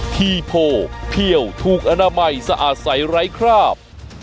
ทีโพเพี่ยวถูกอนามัยสะอาดใสไร้คราบ